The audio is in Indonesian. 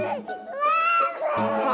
kamu juga nantuk ya